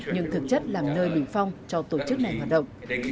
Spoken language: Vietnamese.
nhưng thực chất làm nơi bình phong cho tổ chức này hoạt động